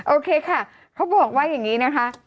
โอเคค่ะเขาบอกว่าอย่างนี้นะคะ